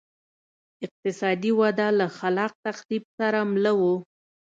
اقتصادي وده له خلاق تخریب سره مله وه